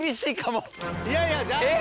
いやいや。